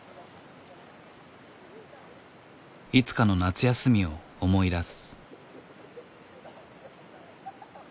いつかの夏休みを思い出す。